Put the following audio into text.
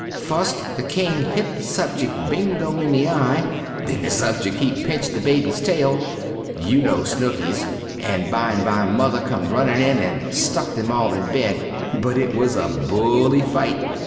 Fust the king hit the subjeck bingo in the eye then the subjeck he pincht the babys tail, you no Snookies, and bimeby Mother come runnin in and stuck them all in bed, but it was a buly fite.